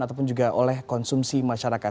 ataupun juga oleh konsumsi masyarakat